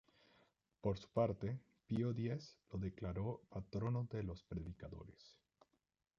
Por su parte, Pío X lo declaró patrono de los predicadores.